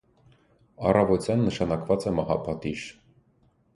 Առավոտյան նշանակված է մահապատիժ։